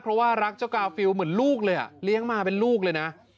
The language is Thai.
เพราะว่ารักเจ้ากาฟิลเหมือนลูกเลยอ่ะเลี้ยงมาเป็นลูกเลยนะ